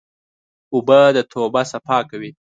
اوبه د توبه صفا کوي.